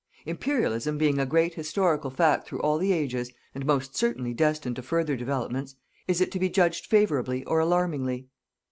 Imperialism being a great historical fact through all the ages, and most certainly destined to further developments, is it to be judged favourably or alarmingly?